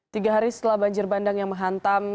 tiga hari setelah banjir bandang yang menghantam